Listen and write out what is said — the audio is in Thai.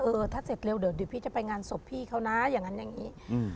เออถ้าเสร็จเร็วเดี๋ยวเดี๋ยวพี่จะไปงานศพพี่เขานะอย่างนั้นอย่างนี้